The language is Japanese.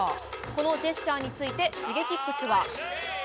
このジェスチャーについてシゲキックスは。